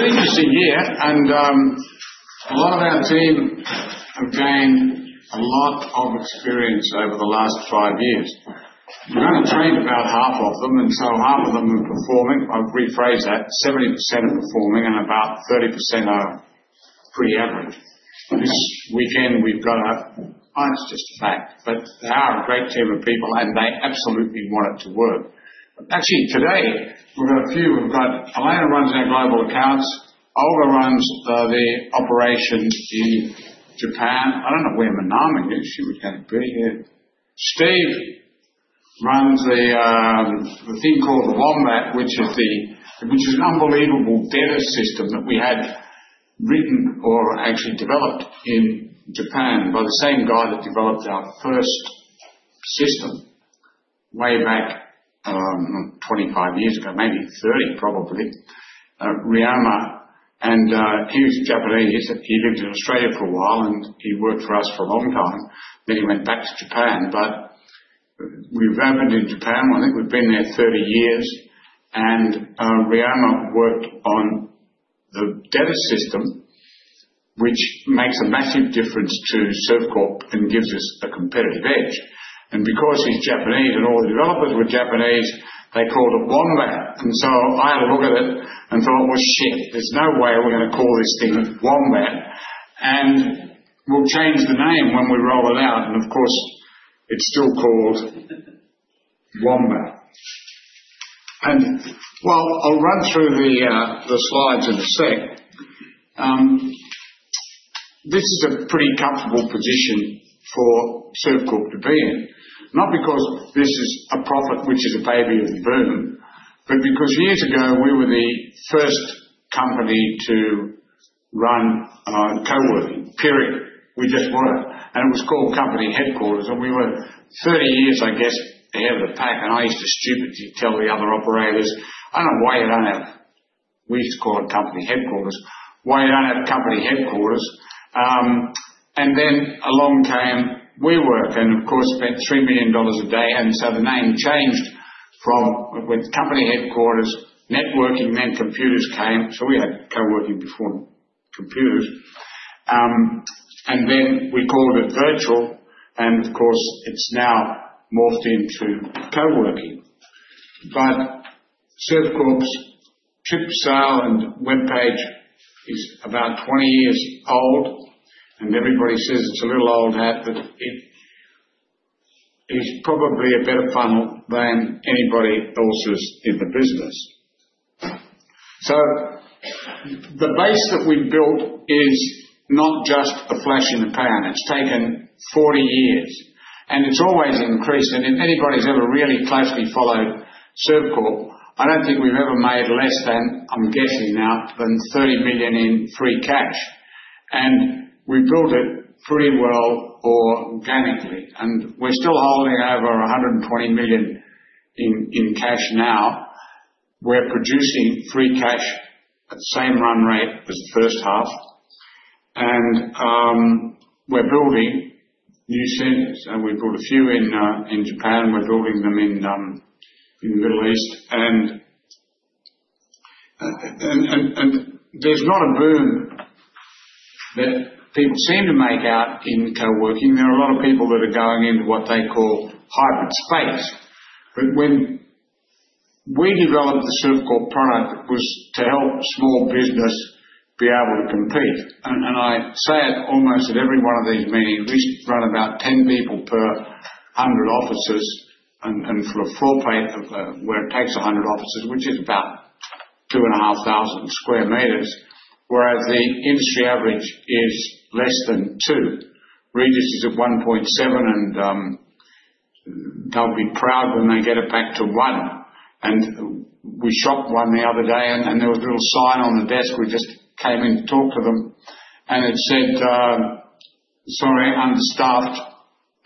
It's an interesting year, and a lot of our team have gained a lot of experience over the last five years. We've only trained about half of them, and so half of them are performing. I'll rephrase that: 70% are performing and about 30% are pretty average. This weekend we've got a, well, it's just a fact, but they are a great team of people, and they absolutely want it to work. Actually, today we've got a few. We've got Elena runs our global accounts. Olga runs the operation in Japan. I don't know where Minami is. She was going to be here. Steve runs the thing called the Wombat, which is an unbelievable data system that we had written or actually developed in Japan by the same guy that developed our first system way back 25 years ago, maybe 30, probably, Ryoma, and he was Japanese. He lived in Australia for a while, and he worked for us for a long time. Then he went back to Japan, but we've opened in Japan. I think we've been there 30 years, and Ryoma worked on the data system, which makes a massive difference to Servcorp and gives us a competitive edge, and because he's Japanese and all the developers were Japanese, they called it Wombat. So I had a look at it and thought, "Well, shit, there's no way we're going to call this thing Wombat. And we'll change the name when we roll it out." Of course, it's still called Wombat, and well, I'll run through the slides in a sec. This is a pretty comfortable position for Servcorp to be in, not because this is a profit, which is a byproduct of the burden, but because years ago we were the first company to run coworking. Period. We just were. And it was called Company Headquarters, and we were 30 years, I guess, ahead of the pack. And I used to stupidly tell the other operators, "I don't know why you don't have Company Headquarters." We used to call it Company Headquarters. "Why you don't have Company Headquarters?" And then along came WeWork and, of course, spent $3 million a day. And so the name changed from Company Headquarters. Networking meant computers came, so we had coworking before computers. And then we called it Virtual. And of course, it's now morphed into coworking. But Servcorp's website is about 20 years old. Everybody says it's a little old hat, but it is probably a better funnel than anybody else's in the business. So the base that we've built is not just a flash in the pan. It's taken 40 years, and it's always increased. If anybody's ever really closely followed Servcorp, I don't think we've ever made less than, I'm guessing now, than 30 million in free cash. We built it pretty well organically. We're still holding over 120 million in cash now. We're producing free cash at the same run rate as the first half. We're building new centers. We've built a few in Japan. We're building them in the Middle East. There's not a boom that people seem to make out in coworking. There are a lot of people that are going into what they call hybrid space. But when we developed the Servcorp product, it was to help small business be able to compete, and I say it almost at every one of these meetings. We run about 10 people per 100 offices and for a floor plate where it takes 100 offices, which is about 2,500 square meters, whereas the industry average is less than two. Regus is at one point seven, and they'll be proud when they get it back to one, and we stopped one the other day, and there was a little sign on the desk. We just came in to talk to them, and it said, "Sorry, understaffed,"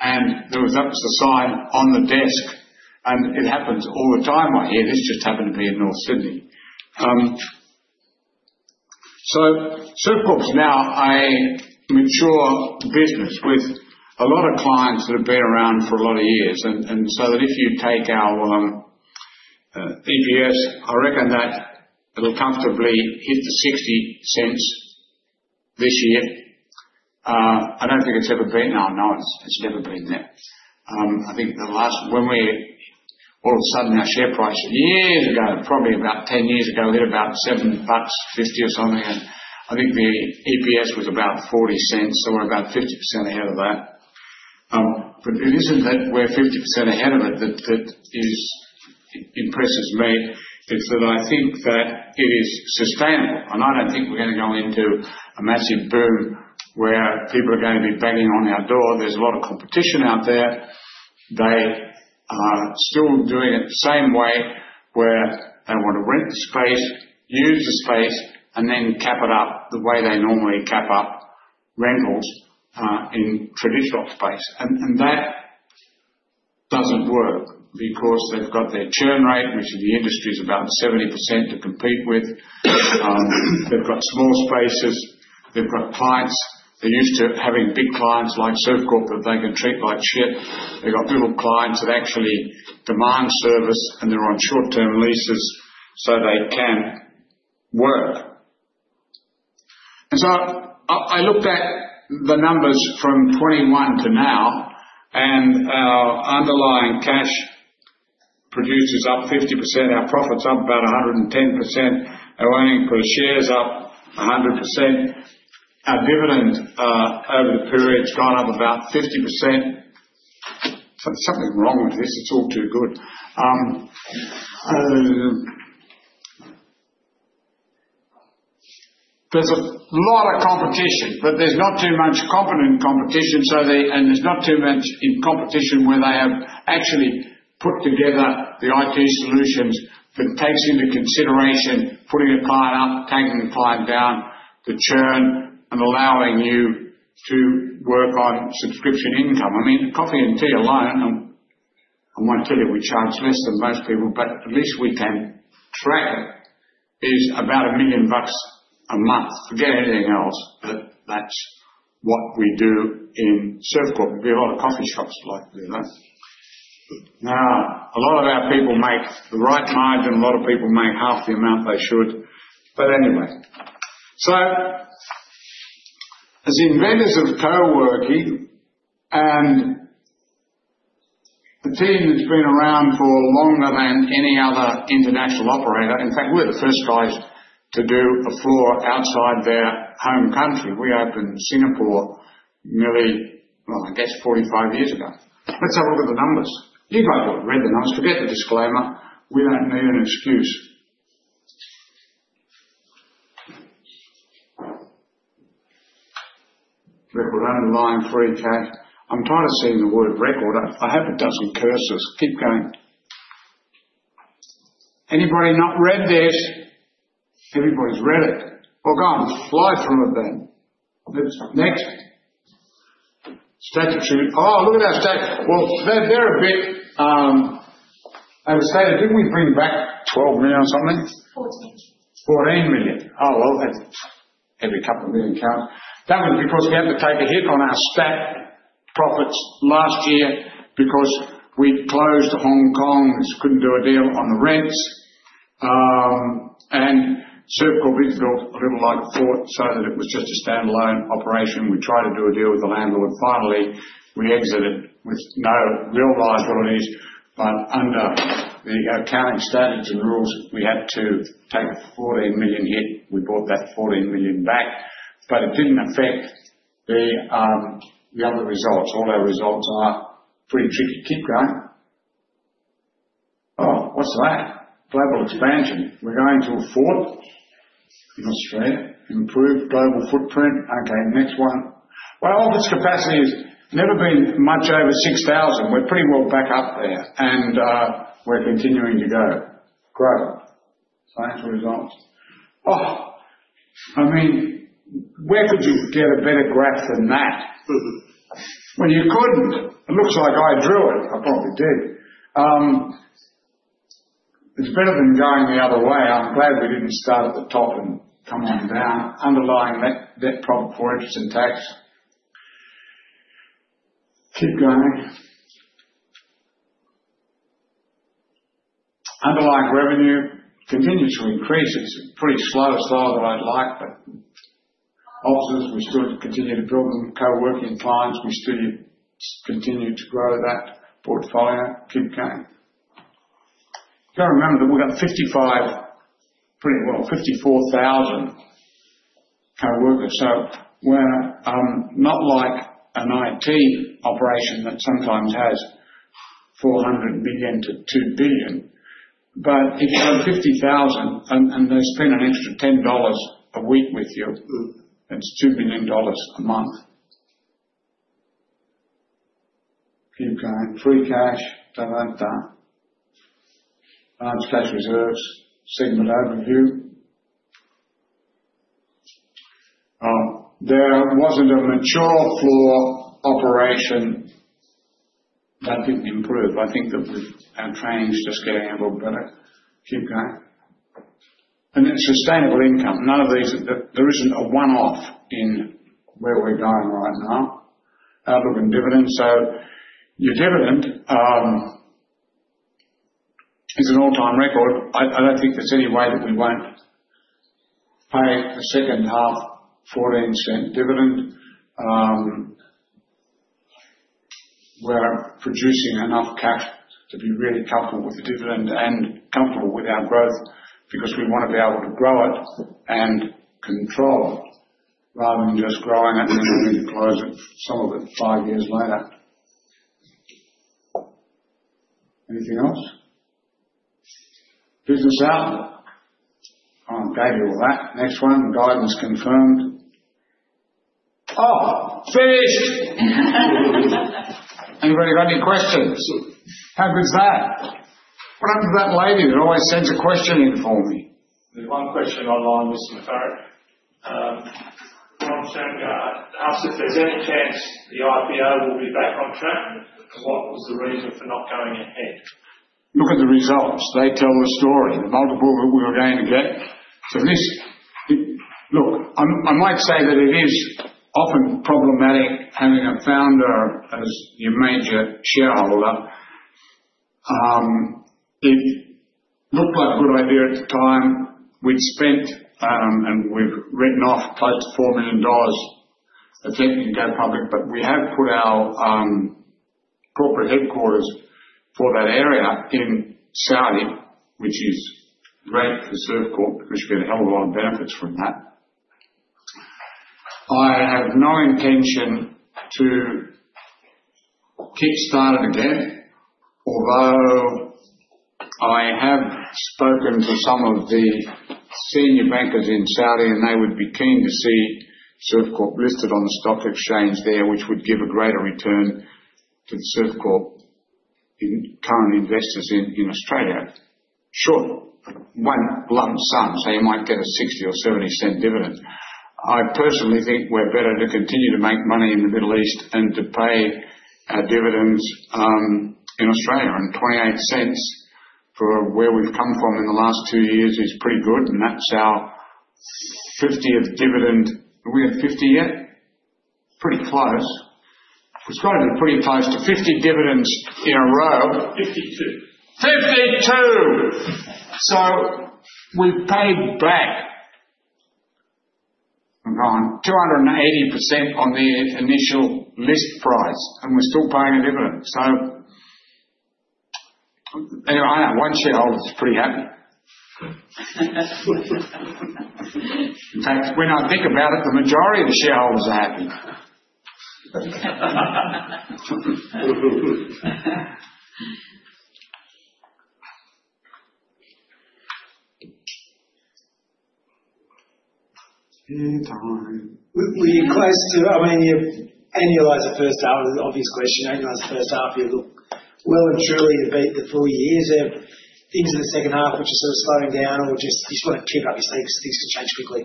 and that was the sign on the desk. And it happens all the time right here. This just happened to be in North Sydney, so Servcorp's now a mature business with a lot of clients that have been around for a lot of years. And so that if you take our EPS, I reckon that it'll comfortably hit 0.60 this year. I don't think it's ever been. No, no, it's never been there. I think the last when we all of a sudden, our share price years ago, probably about 10 years ago, hit about 7.50 bucks or something. And I think the EPS was about 0.40, so we're about 50% ahead of that. But it isn't that we're 50% ahead of it that impresses me. It's that I think that it is sustainable. And I don't think we're going to go into a massive boom where people are going to be banging on our door. There's a lot of competition out there. They are still doing it the same way where they want to rent the space, use the space, and then cap it up the way they normally cap up rentals in traditional space, and that doesn't work because they've got their churn rate, which in the industry is about 70% to compete with. They've got small spaces. They've got clients. They're used to having big clients like Servcorp that they can treat like shit. They've got little clients that actually demand service, and they're on short-term leases, so they can work, and so I looked at the numbers from 2021 to now, and our underlying cash produced is up 50%. Our profits up about 110%. Our earnings per share's up 100%. Our dividend over the period's gone up about 50%. Something's wrong with this. It's all too good. There's a lot of competition, but there's not too much competent competition, and there's not too much in competition where they have actually put together the IT solutions that takes into consideration putting a client up, taking a client down, the churn, and allowing you to work on subscription income. I mean, coffee and tea alone, I won't tell you we charge less than most people, but at least we can track it, is about 1 million bucks a month. Forget anything else. But that's what we do in Servcorp. There'll be a lot of coffee shops like there. Now, a lot of our people make the right margin. A lot of people make half the amount they should. But anyway. As inventors of coworking and the team that's been around for longer than any other international operator, in fact, we're the first guys to do a floor outside their home country. We opened Singapore nearly, well, I guess, 45 years ago. Let's have a look at the numbers. You guys have read the numbers. Forget the disclaimer. We don't need an excuse. Record underlying free cash. I'm tired of seeing the word record. I have a dozen cursors. Keep going. Anybody not read this? Everybody's read it. Well, go on. Fly through it then. Next. Statutory. Oh, look at our stat. Well, they're a bit overstated. Didn't we bring back 12 million or something? 14. 14 million. Oh, well, every couple of years it counts. That was because we had to take a hit on our statutory profits last year because we closed Hong Kong. We couldn't do a deal on the rents. And Servcorp has built a little like a fort so that it was just a standalone operation. We tried to do a deal with the landlord. Finally, we exited with no real rise what it is. But under the accounting standards and rules, we had to take a 14 million hit. We bought that 14 million back, but it didn't affect the other results. All our results are pretty tricky. Keep going. Oh, what's that? Global expansion. We're going to afoot in Australia. Improve global footprint. Okay. Next one. Well, office capacity has never been much over 6,000. We're pretty well back up there, and we're continuing to go. Growth. Financial results. Oh, I mean, where could you get a better graph than that? Well, you couldn't. It looks like I drew it. I probably did. It's better than going the other way. I'm glad we didn't start at the top and come on down. Underlying debt for interest and tax. Keep going. Underlying revenue continues to increase. It's pretty slow. It's lower than I'd like, but offices, we still continue to build them. Coworking clients, we still continue to grow that portfolio. Keep going. You've got to remember that we've got 55, pretty well 54,000 coworkers. So we're not like an IT operation that sometimes has 400 million to 2 billion. But if you've got 50,000 and they spend an extra 10 dollars a week with you, that's 2 million dollars a month. Keep going. Free cash. Don't want that. Large cash reserves. Segment overview. There wasn't a mature floor operation that didn't improve. I think that our training's just getting a little better. Keep going, and then sustainable income. None of these. There isn't a one-off in where we're going right now. Outlook and dividend. So your dividend is an all-time record. I don't think there's any way that we won't pay a second-half AUD 0.14 dividend. We're producing enough cash to be really comfortable with the dividend and comfortable with our growth because we want to be able to grow it and control it rather than just growing it and then having to close some of it five years later. Anything else? Business outlook. I gave you all that. Next one. Guidance confirmed. Oh, finished. Anybody got any questions? How good's that? What happened to that lady that always sends a question in for me? There's one question online, Mr. Moufarrige. From Shanghai. Asked if there's any chance the IPO will be back on track, and what was the reason for not going ahead? Look at the results. They tell the story. The multiple that we were going to get. So look, I might say that it is often problematic having a founder as your major shareholder. It looked like a good idea at the time. We'd spent, and we've written off close to 4 million dollars of that in the IPO, but we have put our corporate headquarters for that area in Saudi, which is great for Servcorp because you get a hell of a lot of benefits from that. I have no intention to kickstart it again, although I have spoken to some of the senior bankers in Saudi, and they would be keen to see Servcorp listed on the stock exchange there, which would give a greater return to the Servcorp current investors in Australia. Sure. One lump sum, so you might get a 60- or 70-cent dividend. I personally think we're better to continue to make money in the Middle East and to pay our dividends in Australia, and 0.28 for where we've come from in the last two years is pretty good, and that's our 50th dividend. Are we at 50 yet? Pretty close. We're striving pretty close to 50 dividends in a row. 52. So we've paid back 280% on the initial list price, and we're still paying a dividend. So anyway, I know one shareholder's pretty happy. In fact, when I think about it, the majority of the shareholders are happy. Were you close to, I mean, you annualize the first half? Obvious question. Annualize the first half, you look well and truly to beat the full years. Things in the second half, which are sort of slowing down, or just you just want to keep up? You think things can change quickly?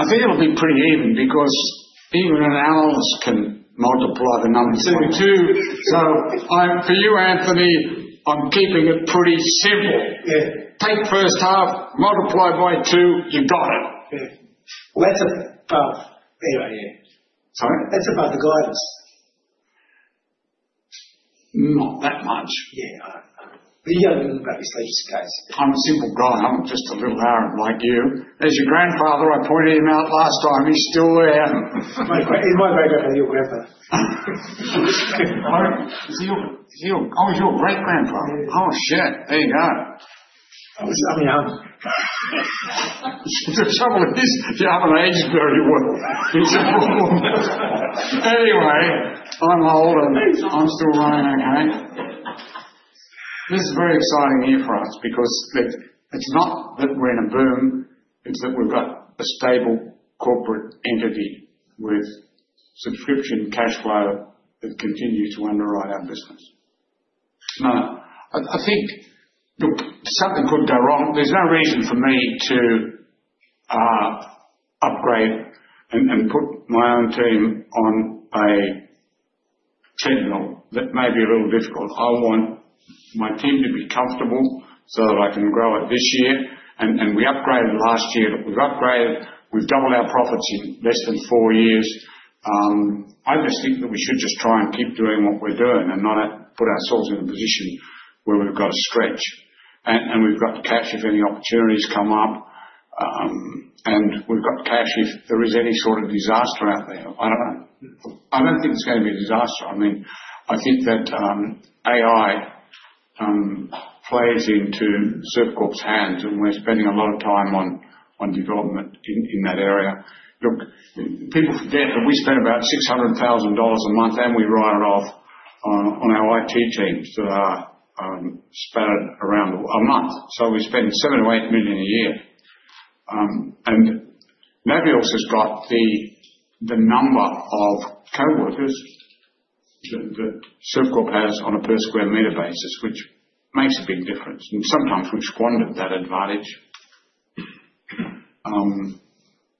I think it'll be pretty even because even an analyst can multiply the numbers. So for you, Anthony, I'm keeping it pretty simple. Take first half, multiply by two, you've got it. Well, that's about anyway. Sorry? That's about the guidance. Not that much. Yeah. But you got to learn about this later in the case. I'm a simple guy. I'm just a little arrogant like you. As your grandfather, I pointed him out last time. He's still there. He's my great-grandfather. He's your grandfather. He's your great-grandfather. Oh, shit. There you go. I mean, I'm. The trouble is, if you haven't aged very well, it's a problem. Anyway, I'm old, and I'm still running okay. This is very exciting year for us because it's not that we're in a boom. It's that we've got a stable corporate entity with subscription cash flow that continues to underwrite our business. I think something could go wrong. There's no reason for me to upgrade and put my own team on a treadmill. That may be a little difficult. I want my team to be comfortable so that I can grow it this year, and we upgraded last year, but we've upgraded. We've doubled our profits in less than four years. I just think that we should just try and keep doing what we're doing and not put ourselves in a position where we've got to stretch. We've got cash if any opportunities come up, and we've got cash if there is any sort of disaster out there. I don't know. I don't think it's going to be a disaster. I mean, I think that AI plays into Servcorp's hands, and we're spending a lot of time on development in that area. Look, people forget that we spend about 600,000 dollars a month, and we write it off on our IT teams that are scattered around the world. So we spend seven or eight million a year. And no one has got the number of coworkers that Servcorp has on a per-square-meter basis, which makes a big difference. And sometimes we've squandered that advantage,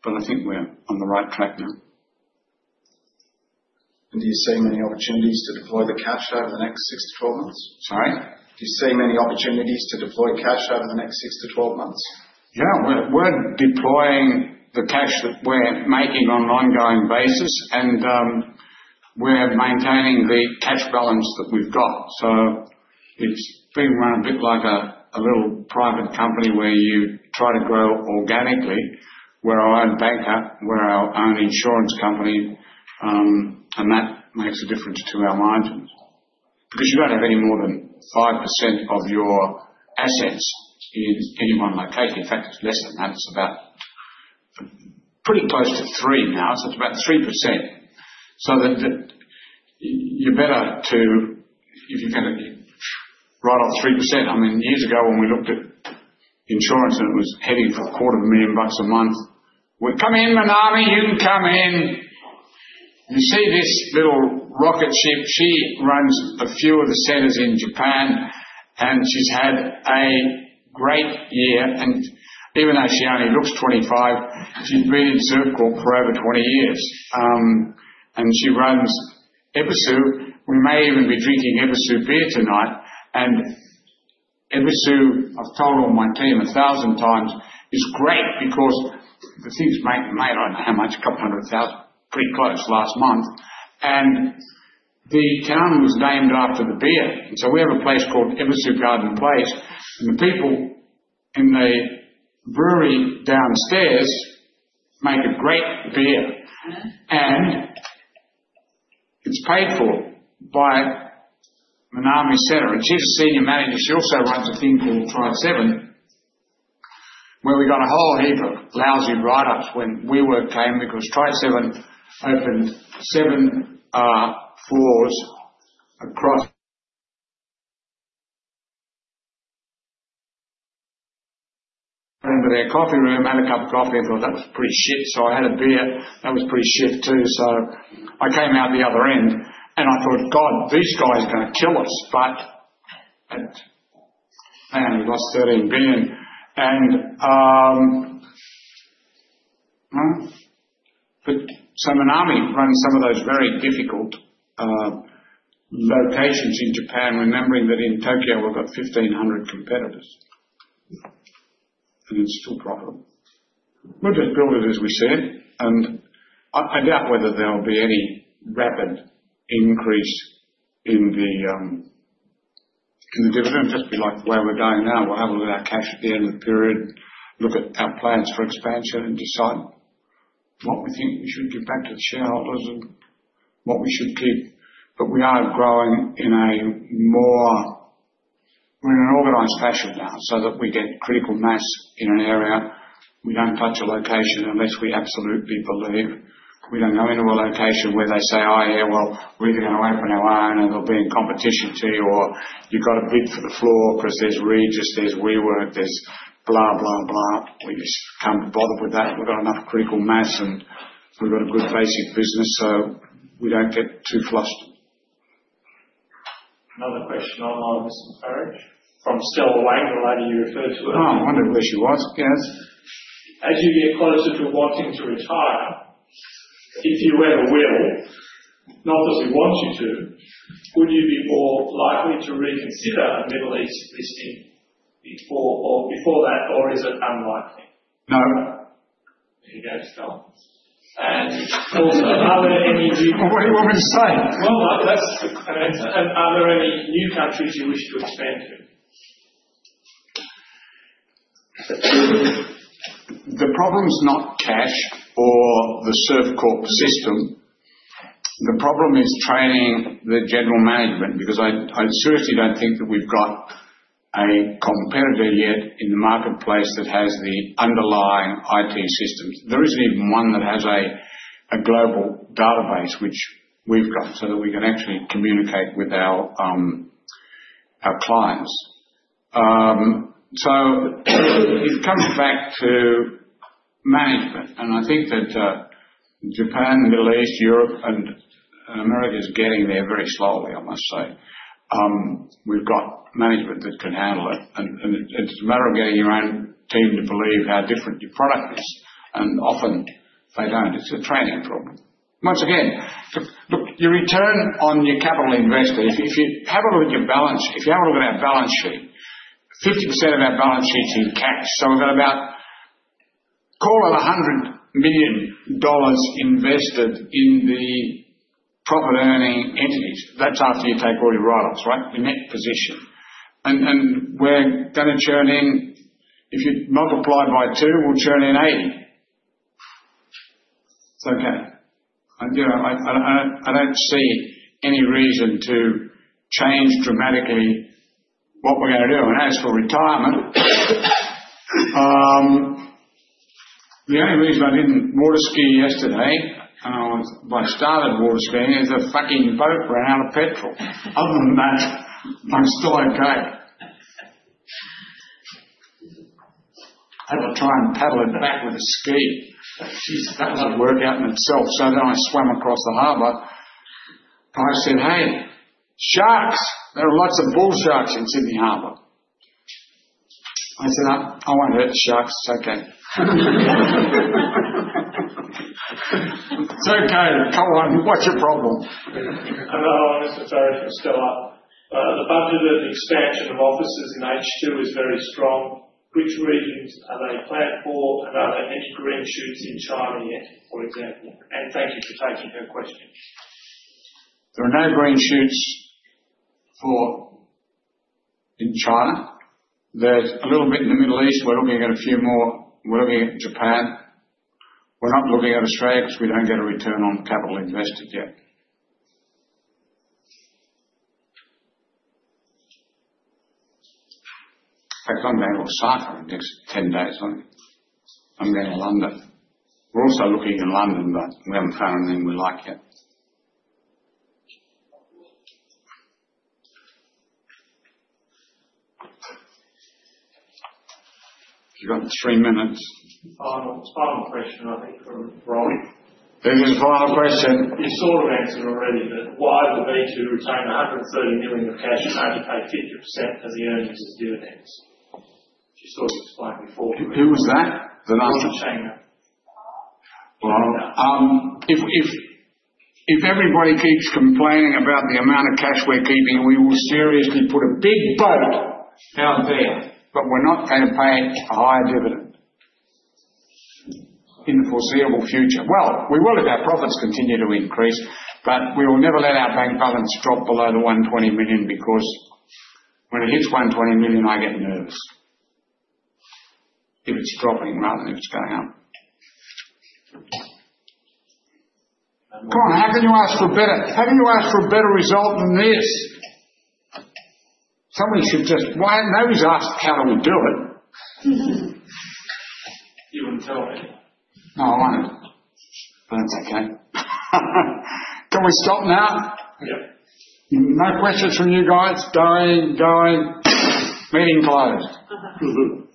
but I think we're on the right track now. Do you see many opportunities to deploy the cash over the next six to 12 months? Sorry? Do you see many opportunities to deploy cash over the next six to 12 months? Yeah. We're deploying the cash that we're making on an ongoing basis, and we're maintaining the cash balance that we've got. So it's being run a bit like a little private company where you try to grow organically, where our own banker, where our own insurance company, and that makes a difference to our margins because you don't have any more than 5% of your assets in any one location. In fact, it's less than that. It's about pretty close to 3 now. It's about 3%. So you're better to, if you're going to write off 3%. I mean, years ago when we looked at insurance and it was heading for 250,000 bucks a month, we're coming in, Minami. You can come in. You see this little rocket ship. She runs a few of the centers in Japan, and she's had a great year. And even though she only looks 25, she's been in Servcorp for over 20 years. And she runs Ebisu. We may even be drinking Yebisu beer tonight. And Ebisu, I've told all my team a thousand times, is great because the things made, I don't know how much, a couple hundred thousand, pretty close last month. And the town was named after the beer. And so we have a place called Ebisu Garden Place, and the people in the brewery downstairs make a great beer. And it's paid for by Minami Center. And she's a senior manager. She also runs a thing called Tri-Seven, where we got a whole heap of lousy write-ups when WeWork came because Tri-Seven opened seven floors across. I went into their coffee room, had a cup of coffee, and thought, "That was pretty shit." So I had a beer. That was pretty shit too. So I came out the other end, and I thought, "God, these guys are going to kill us." But man, we lost 13 billion. And so Minami runs some of those very difficult locations in Japan, remembering that in Tokyo we've got 1,500 competitors, and it's still profitable. We'll just build it as we see it. And I doubt whether there'll be any rapid increase in the dividend. It'll just be like where we're going now. We'll have a look at our cash at the end of the period, look at our plans for expansion, and decide what we think we should give back to the shareholders and what we should keep. But we are growing in a more, we're in an organized fashion now so that we get critical mass in an area. We don't touch a location unless we absolutely believe. We don't go into a location where they say, "Oh, yeah, well, we're either going to open our own or there'll be a competition to you," or, "You've got to bid for the floor because there's Regus, there's WeWork, there's blah, blah, blah." We just can't bother with that. We've got enough critical mass, and we've got a good basic business, so we don't get too flustered. Another question online, Mr. Moufarrige. From Stella Wang, the lady you referred to earlier. Oh, I wonder where she was. Yes. As you get closer to wanting to retire, if you ever will (not that we want you to), would you be more likely to reconsider a Middle East listing before that, or is it unlikely? No. There you go. Still. And also, are there any new? What was I saying? That's the question. Are there any new countries you wish to expand to? The problem's not cash or the Servcorp system. The problem is training the general management because I seriously don't think that we've got a competitor yet in the marketplace that has the underlying IT systems. There isn't even one that has a global database, which we've got, so that we can actually communicate with our clients. So it comes back to management, and I think that Japan, Middle East, Europe, and America is getting there very slowly, I must say. We've got management that can handle it, and it's a matter of getting your own team to believe how different your product is. And often, they don't. It's a training problem. Once again, look, your return on your capital invested, if you have a look at your balance sheet, if you have a look at our balance sheet, 50% of our balance sheet's in cash. We've got about, call it, 100 million dollars invested in the profit-earning entities. That's after you take all your write-offs, right? The net position. We're going to churn in, if you multiply by two, we'll churn in 80. It's okay. I don't see any reason to change dramatically what we're going to do. As for retirement, the only reason I didn't water ski yesterday, and I started water skiing, is the fucking boat ran out of petrol. Other than that, I'm still okay. I had to try and paddle it back with a ski. That was a workout in itself. Then I swam across the harbor. I said, "Hey, sharks. There are lots of bull sharks in Sydney Harbor." I said, "I won't hurt the sharks. It's okay." It's okay. Come on. What's your problem? Hello. Mr. Moufarrige, from Stella. The budget and expansion of offices in H2 is very strong. Which regions are they planned for, and are there any green shoots in China yet, for example, and thank you for taking her question. There are no green shoots in China. There's a little bit in the Middle East. We're looking at a few more. We're looking at Japan. We're not looking at Australia because we don't get a return on capital invested yet. In fact, I'm going to Osaka in the next 10 days. I'm going to London. We're also looking in London, but we haven't found anything we like yet. Have you got three minutes? Final question, I think, from Ronnie. Here's the final question. You sort of answered already, but why would we retain 130 million of cash and only pay 50% as the earnings and dividends? She sort of explained before. Who was that? Ronnie Chng. If everybody keeps complaining about the amount of cash we're keeping, we will seriously put a big boat out there, but we're not going to pay a higher dividend in the foreseeable future. We will if our profits continue to increase, but we will never let our bank balance drop below 120 million because when it hits 120 million, I get nervous if it's dropping rather than if it's going up. Come on. How can you ask for a better, how can you ask for a better result than this? Somebody should just, why nobody's asked, "How do we do it? You wouldn't tell anyone. No, I won't. But that's okay. Can we stop now? Yeah. No questions from you guys. Going, going. Meeting closed.